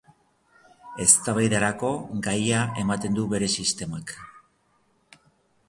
Eztabaidarako gaia ematen du bere sistemak.